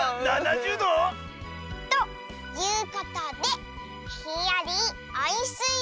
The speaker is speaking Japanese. ７０ど⁉ということでひんやりおい